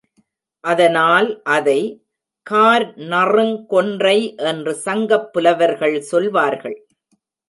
அதனால் அதை, கார் நறுங் கொன்றை என்று சங்கப் புலவர்கள் சொல்வார்கள்.